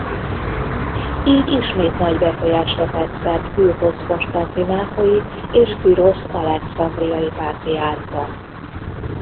Így ismét nagy befolyásra tett szert Pürrhosz konstantinápolyi és Kürosz alexandriai pátriárka.